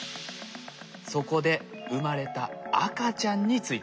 そこで生まれた赤ちゃんについてです。